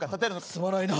すまないな。